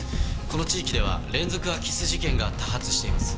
この地域では連続空き巣事件が多発しています。